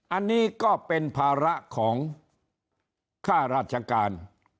อันนี้ก็เป็นภาระของค่าราชการ